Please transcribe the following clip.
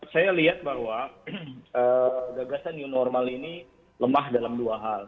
saya lihat bahwa gagasan new normal ini lemah dalam dua hal